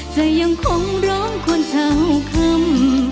จะยังคงร้องคนเท่าคำ